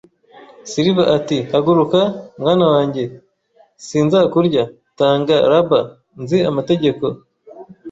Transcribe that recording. Silver ati: "Haguruka, mwana wanjye". “Sinzakurya. Tanga, lubber. Nzi amategeko, I.